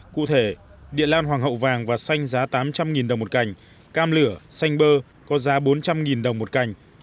cụ thể địa lan hoàng hậu vàng và xanh giá tám trăm linh đồng một cành cam lửa xanh bơ có giá bốn trăm linh đồng một cành